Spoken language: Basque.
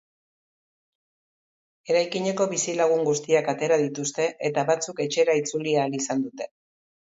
Eraikineko bizilagun guztiak atera dituzte, eta batzuk etxera itzuli ahal izan dute.